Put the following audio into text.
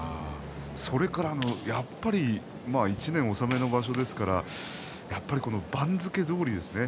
それから、やっぱり１年納めの場所ですから番付どおりですね。